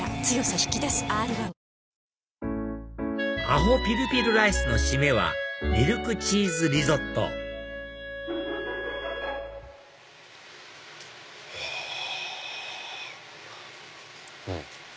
アホピルピルライスの締めはミルクチーズリゾットはぁ！